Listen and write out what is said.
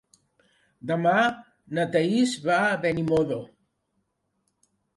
Demà na Thaís va a Benimodo.